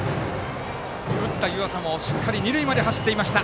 打った湯浅もしっかり二塁まで走っていました。